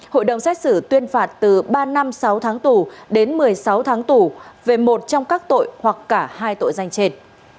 hội đồng xét xử tuyên phạt từ ba năm sáu tháng tù đến một mươi sáu tháng tù về một trong các tội hoặc cả hai tội danh trên